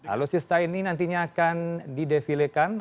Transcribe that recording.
alutsista ini nantinya akan didefilekan